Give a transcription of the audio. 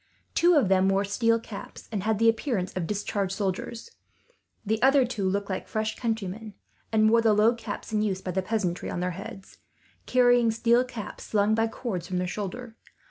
Two of them wore steel caps, and had the appearance of discharged soldiers. The other two looked like fresh countrymen, and wore the low caps in use by the peasantry on their heads, carrying steel caps slung by cords from their shoulder.